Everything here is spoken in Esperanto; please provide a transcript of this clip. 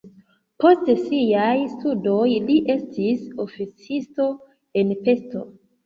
Post siaj studoj li estis oficisto en Pest.